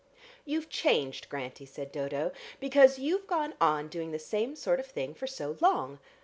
"You've changed, Grantie," said Dodo, "because you've gone on doing the same sort of thing for so long.